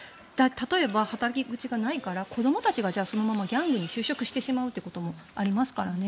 例えば、働き口がないから子どもたちがそのままギャングに就職してしまうこともありますからね。